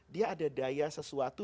dia ada daya sesuatu